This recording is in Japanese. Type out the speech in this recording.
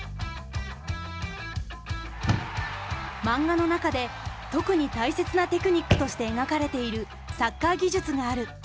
マンガの中で特に大切なテクニックとして描かれているサッカー技術がある。